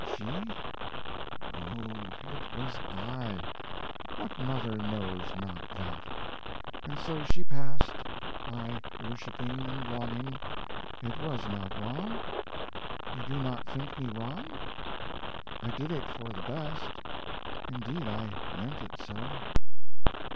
She? O, it was I! What mother knows not that? And so she passed, I worshiping and longing... It was not wrong? You do not think me wrong? I did it for the best. Indeed I meant it so.